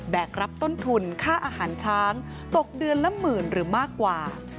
กรับต้นทุนค่าอาหารช้างตกเดือนละหมื่นหรือมากกว่า